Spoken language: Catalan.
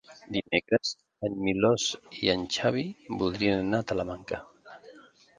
Dimecres en Milos i en Xavi voldrien anar a Talamanca.